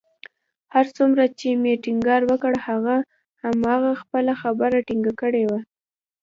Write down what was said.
هر څومره چې مې ټينګار وکړ، هغه همهغه خپله خبره ټینګه کړې وه